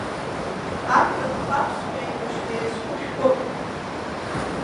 Ақырҭуа-аԥсуа еибашьра иазку шәҟәык…